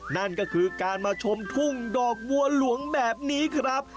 นั่นก็คือการมาชมทุ่งดอกบัวหลวงแบบนี้ครับ